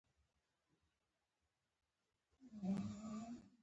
د احمد سترګې وږې دي؛ په سل کاله نه مړېږي.